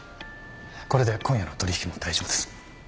これで今夜の取引も大丈夫です。